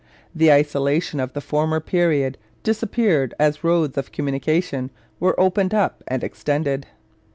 The isolation of the former period disappeared as roads of communication were opened up and extended.